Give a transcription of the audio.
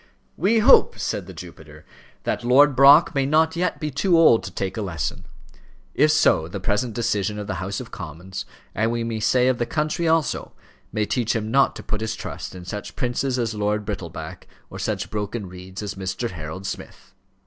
"We hope," said the Jupiter, "that Lord Brock may not yet be too old to take a lesson. If so, the present decision of the House of Commons, and we may say of the country also, may teach him not to put his trust in such princes as Lord Brittleback, or such broken reeds as Mr. Harold Smith."